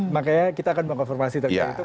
makanya kita akan mengkonformasi terkait itu